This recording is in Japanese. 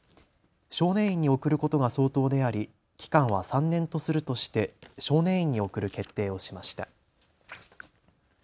少年院に送ることが相当であり期間は３年とするとして少年院に送る決定をしました。